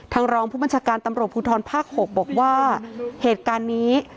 รองผู้บัญชาการตำรวจภูทรภาค๖บอกว่าเหตุการณ์นี้